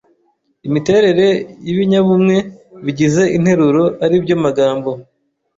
imiterere y’ibinyabumwe bigize interuro ari byo magambo